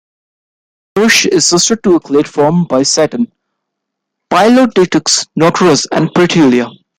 "Ameiurus" is sister to a clade formed by "Satan", "Pylodictis", "Noturus", and "Prietella".